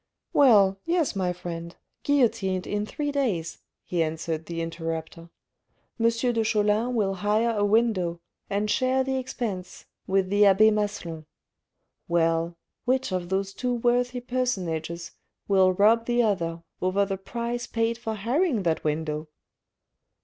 "" Well, yes, my friend : guillotined in three days," he answered the interruptor. " M. de Cholin will hire a window and share the expense with the abbe Maslon. Well, which of those two worthy personages will rob the other over the price paid for hiring that window